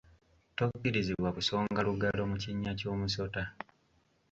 Tokkirizibwa kusonga lugalo mu kinnya ky’omusota.